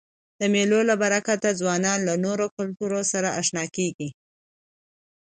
د مېلو له برکته ځوانان له نورو کلتورو سره اشنا کيږي.